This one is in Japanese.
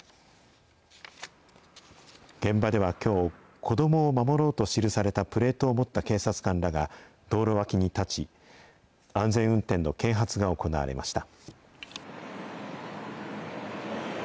現場ではきょう、子どもを守ろうと記されたプレートを持った警察官らが、道路脇に立ち、安全運転の啓発が行われました。